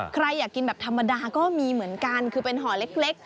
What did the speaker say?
ใครอยากกินแบบธรรมดาก็มีเหมือนกันคือเป็นห่อเล็ก